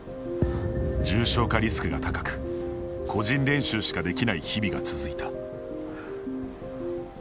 重症化リスクが高く個人練習しかできない日々が続いた。